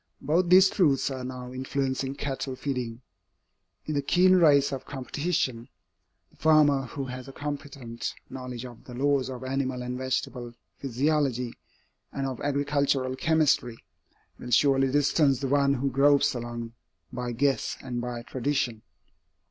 Both these truths are now influencing cattle feeding. In the keen race of competition, the farmer who has a competent knowledge of the laws of animal and vegetable physiology and of agricultural chemistry, will surely distance the one who gropes along by guess and by tradition.